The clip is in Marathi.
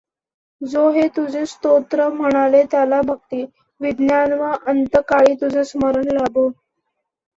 जो हे तुझे स्तोत्र म्हणेल त्याला भक्ती, विज्ञान वा अंतकाळी तुझे स्मरण लाभो.